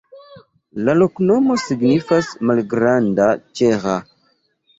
La loknomo signifas: malgranda-ĉeĥa.